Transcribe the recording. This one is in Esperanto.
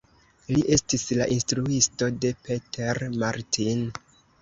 Li estis la instruisto de Peter Martin.